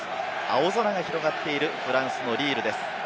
青空が広がっているフランスのリールです。